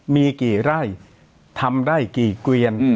มีกี่ไร่ทำไร่กี่เกวียน